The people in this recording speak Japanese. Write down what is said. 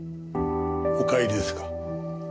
お帰りですか？